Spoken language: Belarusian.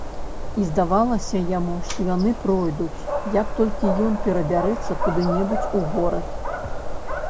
І здавалася яму, што яны пройдуць, як толькі ён перабярэцца куды-небудзь у горад.